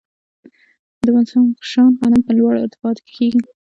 د بدخشان غنم په لوړو ارتفاعاتو کې کیږي.